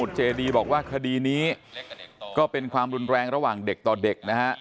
เจดีบอกว่าคดีนี้ก็เป็นความรุนแรงระหว่างเด็กต่อเด็กนะฮะ